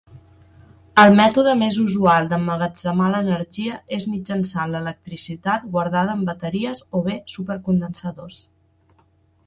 El mètode més usual d'emmagatzemar l'energia és mitjançant l'electricitat guardada en bateries o bé supercondensadors.